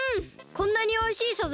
こんなにおいしいサザエ